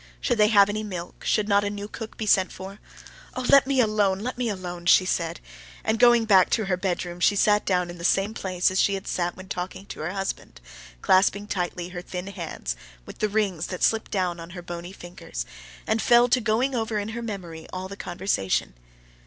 Should they have any milk? Should not a new cook be sent for?" "Ah, let me alone, let me alone!" she said, and going back to her bedroom she sat down in the same place as she had sat when talking to her husband, clasping tightly her thin hands with the rings that slipped down on her bony fingers, and fell to going over in her memory all the conversation.